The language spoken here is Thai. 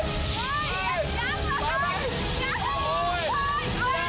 พิเศษเอาไป